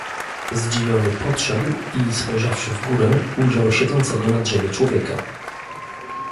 "Zdziwiony podszedł i spojrzawszy w górę ujrzał siedzącego na drzewie człowieka."